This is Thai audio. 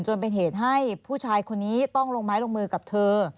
จนเป็นเหตุให้ผู้ชายคนนี้ต้องลงไม้ลงมือกับเธอ